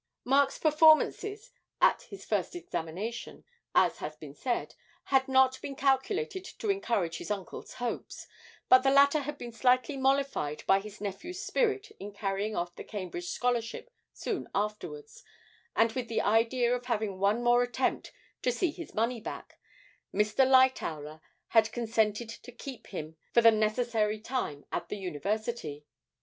Mark's performances at his first examination, as has been said, had not been calculated to encourage his uncle's hopes, but the latter had been slightly mollified by his nephew's spirit in carrying off the Cambridge scholarship soon afterwards, and with the idea of having one more attempt to 'see his money back,' Mr. Lightowler had consented to keep him for the necessary time at the University.